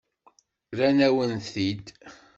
Rran-awen-t-id.